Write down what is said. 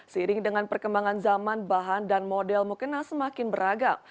seiring dengan perkembangan zaman bahan dan model mukena semakin beragam